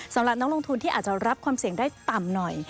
สำหรับนักลงทุนที่อาจจะรับความเสี่ยงได้ต่ำหน่อย